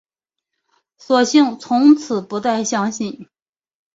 索性从此不再相信